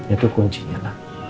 itu kuncinya lah